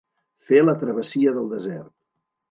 Fer la travessia del desert.